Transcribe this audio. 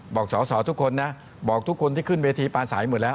บอกสอสอทุกคนนะบอกทุกคนที่ขึ้นเวทีปลาสายหมดแล้ว